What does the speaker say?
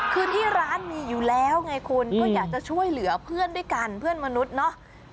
คือที่ร้านมีอยู่แล้วไงคุณก็อยากจะช่วยเหลือเพื่อนด้วยกันเพื่อนมนุษย์เนอะ